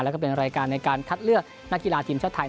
และเป็นรายการในการคัดเลือกหน้ากีฬาทีมชาติธรรมไทย